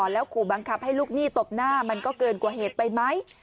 แล้วขู่บังคับให้ลูกหนี้ตบหน้ามันก็เกินกว่าเหตุไปไหม